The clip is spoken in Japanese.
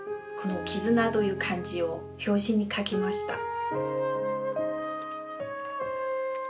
この「絆」という漢字を表紙に書きました。